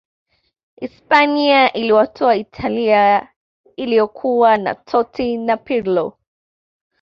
hispania iliwatoa italia iliyokuwa na totti na pirlo